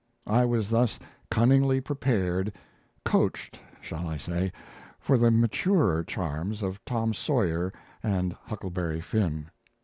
I was thus cunningly prepared, "coached" shall I say, for the maturer charms of Tom Sawyer and Huckleberry Finn.